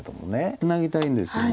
ツナぎたいんですよね。